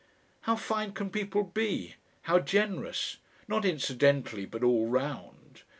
How fine can people be? How generous? not incidentally, but all round?